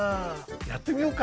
やってみようか！